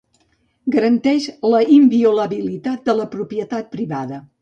Garanteix la inviolabilitat de la propietat privada.